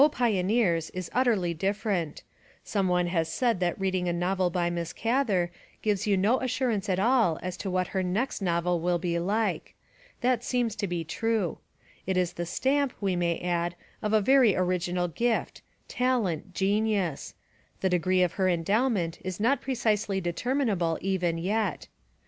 Pioneers! is utterly different. Some one has said that reading a novel by Miss Gather gives you no as surance at all as to what her next novel will be like. That seems to be true. It is the stamp, we may add, of a very original gift talent genius; the degree of her endowment is not precisely determinable even yet.